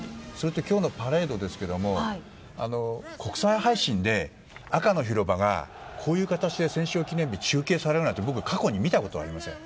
今日のパレードですが国際配信で赤の広場がこういう形で戦勝記念日に中継されるなんて僕、過去に見たことがありません。